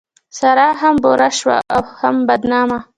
سارا هم بوره شوه او هم بدنامه.